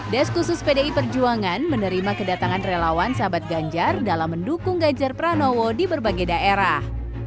desk khusus pdi perjuangan menerima kedatangan relawan sahabat ganjar dalam mendukung ganjar pranowo di berbagai daerah